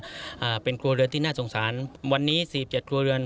อ่าเป็นครัวเรือนที่น่าสงสารวันนี้สี่เจ็ดครัวเรือน